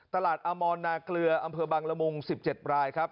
อมอนนาเกลืออำเภอบังละมุง๑๗รายครับ